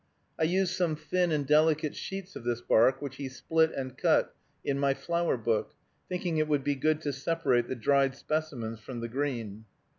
I used some thin and delicate sheets of this bark which he split and cut, in my flower book; thinking it would be good to separate the dried specimens from the green.